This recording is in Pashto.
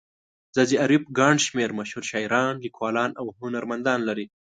ځاځي اريوب گڼ شمېر مشهور شاعران، ليکوالان او هنرمندان لري.